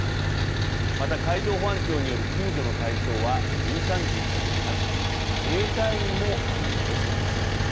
また海上保安庁による救助の対象は民間人だけでなく自衛隊員もありうるとしています。